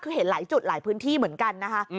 คือเห็นหลายจุดหลายพื้นที่เหมือนกันนะคะ